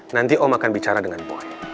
nanti om akan bicara dengan boy